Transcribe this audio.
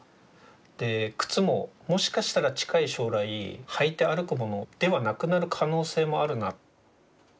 で靴ももしかしたら近い将来履いて歩くものではなくなる可能性もあるな。